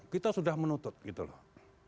kita sudah menuntut gitu loh